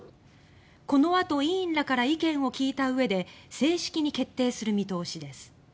このあと委員らから意見を聞いたうえで正式に決定する見通しです。